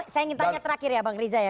saya ingin tanya terakhir ya bang riza ya